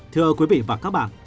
thưa quý vị và các bạn